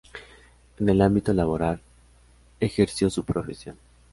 En el ámbito laboral, ejerció su profesión.